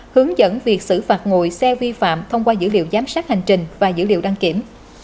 hướng dẫn việc xử phạt ngồi xe vi phạm thông qua dữ liệu giám sát hành trình và dữ liệu đăng kiểm